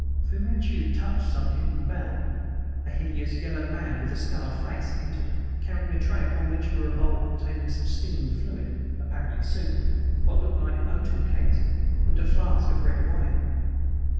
Fu Manchu touched some hidden bell. A hideous yellow man with a scarred face entered, carrying a tray upon which were a bowl containing some steaming fluid, apparently soup, what looked like oaten cakes, and a flask of red wine.